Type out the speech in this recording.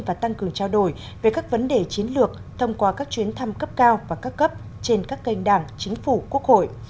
và tăng cường trao đổi về các vấn đề chiến lược thông qua các chuyến thăm cấp cao và cấp cấp trên các kênh đảng chính phủ quốc hội